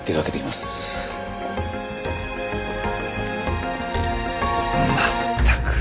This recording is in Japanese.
まったく。